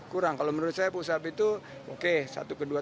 kurang kalau menurut saya pusap itu oke satu ke dua